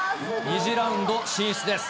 ２次ラウンド進出です。